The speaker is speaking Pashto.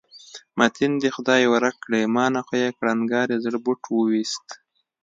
متین دې خدای ورک کړي، ما نه خو یې کړنګاري زړه بوټ وویست.